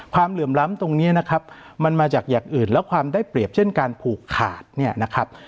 ความเหลือมล้ำตรงเนี้ยนะครับ